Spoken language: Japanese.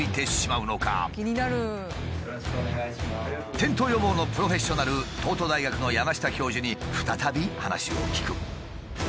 転倒予防のプロフェッショナル東都大学の山下教授に再び話を聞く。